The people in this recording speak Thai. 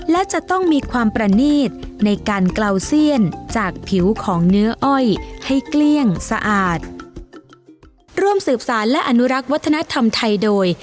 และจะต้องมีความประนีตในการเกลาเสี้ยนจากผิวของเนื้ออ้อยให้เกลี้ยงสะอาดร่วมสืบสารและอนุรักษ์วัฒนธรรมไทยโดย